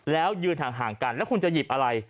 แล้วยืนห่างกันแล้วคุณจะหยิบอะไร